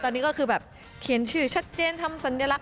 ตอนนี้ก็คือแบบเขียนชื่อชัดเจนทำสัญลักษ